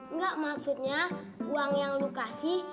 enggak maksudnya uang yang lu kasih